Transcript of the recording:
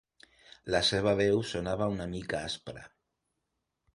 La seva veu sonava una mica aspra.